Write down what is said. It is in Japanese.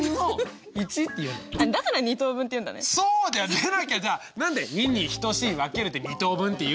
でなきゃじゃあ何で「２」に「等しい」「分ける」で２等分っていうんだよ。